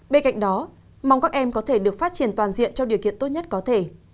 bên cạnh đó mong các em có thể được phát triển toàn diện trong điều kiện tốt nhất có thể